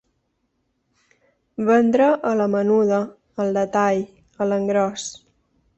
Vendre a la menuda, al detall, a l'engròs.